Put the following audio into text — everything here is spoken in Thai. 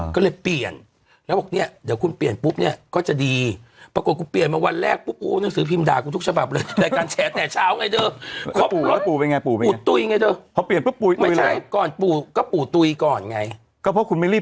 ก็เลยเปลี่ยนแล้วบอกเนี่ยเดี๋ยวคุณเปลี่ยนปุ๊บก็จะดี